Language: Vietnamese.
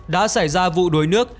đã xảy ra vụ đuối nước